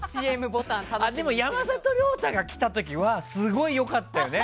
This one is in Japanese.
でも山里亮太が来た時はすごい良かったよね。